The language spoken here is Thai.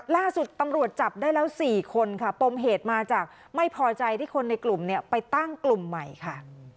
ล่าสุดตำรวจจับได้แล้ว๔คนค่ะปมเหตุมาจากไม่พอใจที่คนในกลุ่มเนี่ยไปตั้งกลุ่มใหม่ค่ะ